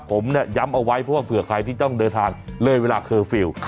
ผมย้ำเอาไว้เพื่อใครที่ต้องเดินทางเลยเวลาเคอร์ฟิล